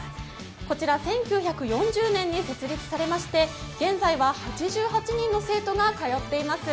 こちら１９４０年に設立されまして、現在は８８人の生徒が通っています。